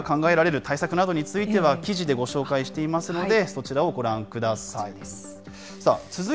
今考えられる対策などについては、記事でご紹介していますので、そちらをご覧ください。